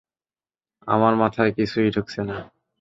আমার মাথায় কিছুই ঢুকছে না!